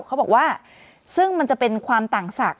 เขาบอกว่าซึ่งมันจะเป็นความต่างศักดิ